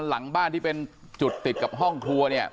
หลังบ้านที่เป็นจุดติดกับห้องครัวเนี่ย